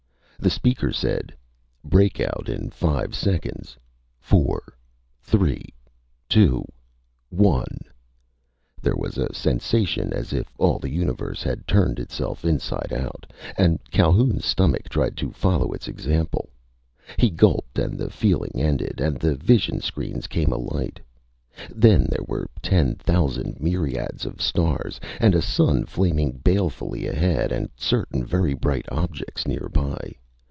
The speaker said, "Breakout in five seconds ... four ... three ... two ... one ..." There was a sensation as if all the universe had turned itself inside out, and Calhoun's stomach tried to follow its example. He gulped, and the feeling ended, and the vision screens came alight. Then there were ten thousand myriads of stars, and a sun flaming balefully ahead, and certain very bright objects nearby.